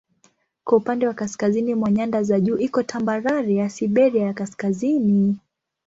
Kwa upande wa kaskazini mwa nyanda za juu iko tambarare ya Siberia ya Kaskazini.